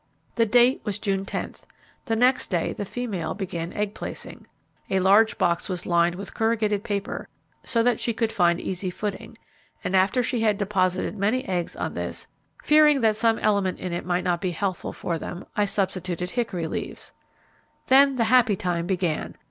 The date was June tenth. The next day the female began egg placing. A large box was lined with corrugated paper, so that she could find easy footing, and after she had deposited many eggs on this, fearing some element in it might not be healthful for them, I substituted hickory leaves. Then the happy time began.